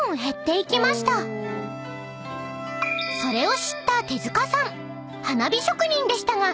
［それを知った手塚さん］